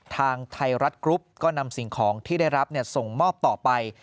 ทางไทยรัฐกรุ๊ปก็นำสิ่งของที่ได้รับส่งมอบต่อไป